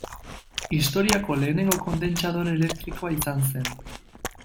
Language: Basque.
Historiako lehenengo kondentsadore elektrikoa izan zen.